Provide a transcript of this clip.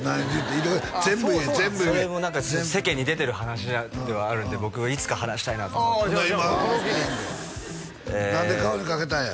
色々全部言え全部言えそれも何か世間に出てる話ではあるんで僕もいつか話したいなとああじゃあこれを機に何で顔にかけたんや？